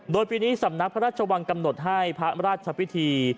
โดยปีนี้สำนักพระราชวังกำหนดให้พระราชพิธี